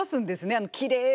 あのきれいな。